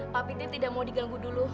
pak pind tidak mau diganggu dulu